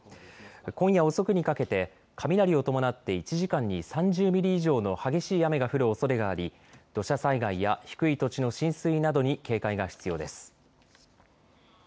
今夜遅くにかけて雷を伴って１時間に３０ミリ以上の激しい雨が降るおそれがあり土砂災害や低い土地の浸水などに警戒が必要です。